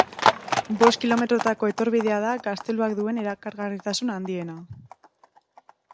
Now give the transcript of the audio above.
Bost kilometrotako etorbidea da gazteluak duen erakargarritasun handiena.